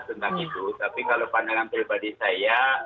tentang itu tapi kalau pandangan pribadi saya